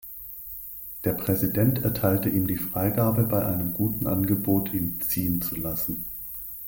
Der Präsident erteilte ihm die Freigabe bei einem guten Angebot ihn ziehen zulassen.